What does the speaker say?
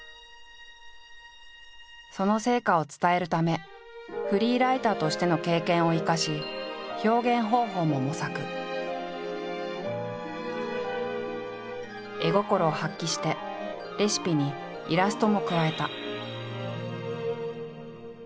その成果を伝えるためフリーライターとしての経験を生かし絵心を発揮してレシピにイラストも加えた。